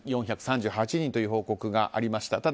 ６４３８人という報告がありました。